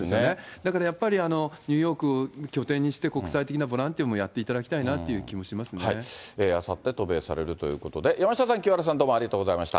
だからやっぱり、ニューヨークを拠点にして、国際的なボランティアもやっていただきたいなというあさって渡米されるということで、山下さん、清原さん、どうもありがとうございました。